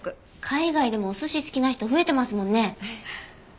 海外でもお寿司好きな人増えてますもんね。